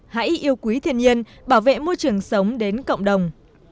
hãy yêu quý thiên nhiên bảo vệ môi trường sống đến cộng đồng